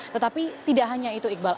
tetapi tidak hanya itu iqbal